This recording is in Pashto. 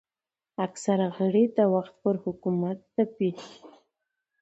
اکثره غړي د وخت پر حکومت تپي